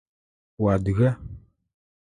Уадыга?